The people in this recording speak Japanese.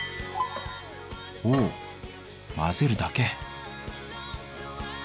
ほお混ぜるだけ！